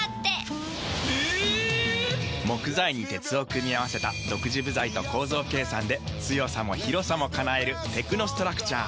木材に鉄を組み合わせた独自部材と構造計算で強さも広さも叶えるテクノストラクチャー。